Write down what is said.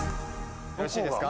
よろしいですか？